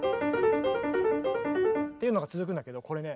っていうのが続くんだけどこれね